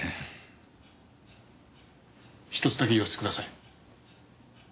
１つだけ言わせてください。